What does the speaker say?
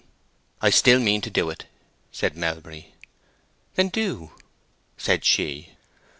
"I still mean to do it," said Melbury. "Then do," said she.